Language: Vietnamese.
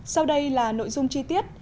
sau đây là nội dung chi tiết